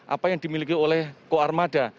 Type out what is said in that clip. apa yang dimiliki oleh koarmada